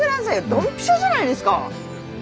ドンピシャじゃないですか。